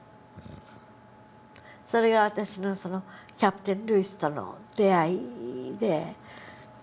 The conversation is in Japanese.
それが私のキャプテンルイスとの出会いで。